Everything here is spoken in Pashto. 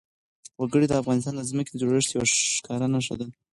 وګړي د افغانستان د ځمکې د جوړښت یوه ښکاره نښه ده.